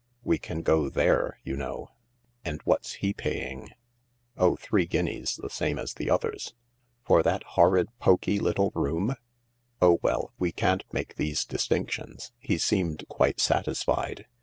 We can go there, you know." " And what's he paying ?"" Oh, three guineas, the same as the others." " For that horrid, poky little room I "" Oh, well, we can't make these distinctions. He seemed quite satisfied.